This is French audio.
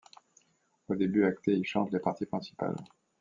Au début, Ackté y chante les parties principales.